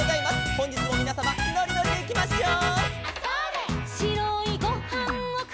「ほんじつもみなさまのりのりでいきましょう」